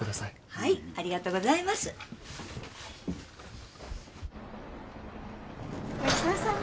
はいありがとうございますごちそうさま